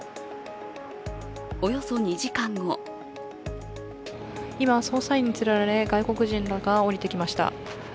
およそ２時間後今、捜査員に連れられ外国人らが降りてきました。